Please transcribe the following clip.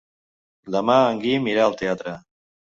Demà en Guim irà al teatre.